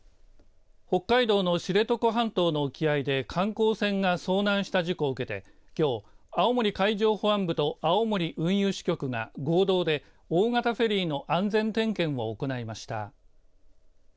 北海道の知床半島の沖合で観光船が遭難した事故を受けてきょう、青森海上保安部と青森運輸支局が合同で大型フェリーの安全点検を行いました。